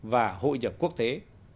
và hội nhập quốc tế